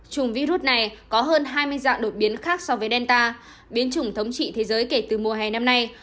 chủng virus này có hơn hai mươi dạng đột biến khác so với delta biến chủng thống trị thế giới kể từ mùa hè năm nay